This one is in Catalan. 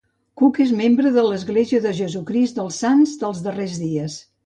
Cook és membre de l'Església de Jesucrist dels Sants dels Darrers Dies.